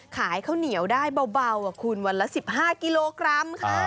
ขายข้าวเหนียวได้เบาคุณวันละ๑๕กิโลกรัมค่ะ